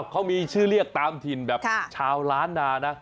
เขามีชื่อเรียกตามถิ่นแบบชาวล้านนานะ